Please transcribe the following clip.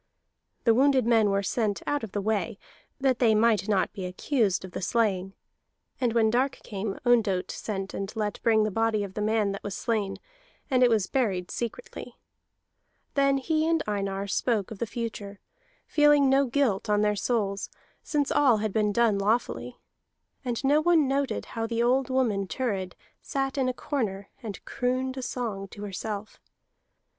The wounded men were sent out of the way, that they might not be accused of the slaying; and when dark came Ondott sent and let bring the body of the man that was slain, and it was buried secretly. Then he and Einar spoke of the future, feeling no guilt on their souls, since all had been done lawfully. And no one noted how the old woman Thurid sat in a corner and crooned a song to herself.